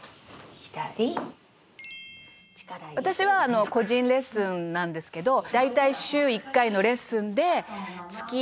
「私は個人レッスンなんですけど大体週１回のレッスンで月１万円ぐらいですかね」